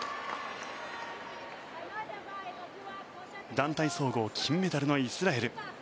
団体総合金メダルのイスラエル。